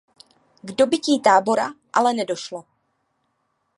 K dobytí Tábora ale nedošlo.